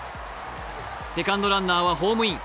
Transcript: セカンドランナーはホームイン。